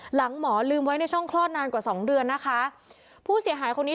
หมอลืมไว้ในช่องคลอดนานกว่าสองเดือนนะคะผู้เสียหายคนนี้